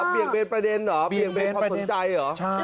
เปลี่ยนเป็นประเด็นหรอเปลี่ยนเป็นประเด็นเปลี่ยนเป็นความสนใจหรอ